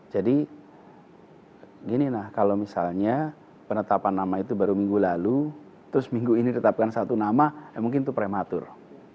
jadi gini kalau misalnya penetapan nama itu baru minggu lalu terus minggu ini ditetapkan satu nama mungkin itu prematur